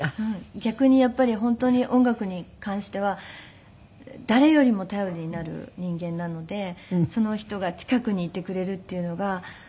逆にやっぱり本当に音楽に関しては誰よりも頼りになる人間なのでその人が近くにいてくれるっていうのが。